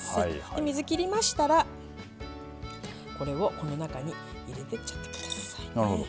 で水切りましたらこれをこの中に入れてっちゃってください。